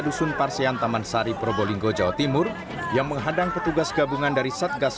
dusun parseyan taman sari probolinggo jawa timur yang menghadang petugas gabungan dari satgas